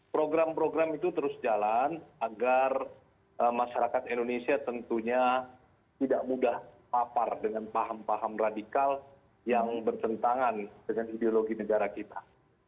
program program itu terus jalan agar masyarakat indonesia tentunya tidak mudah papar dengan paham paham radikal yang bertentangan dengan ideologi negara kita